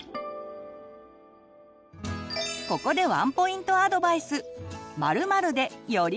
ここでワンポイントアドバイス！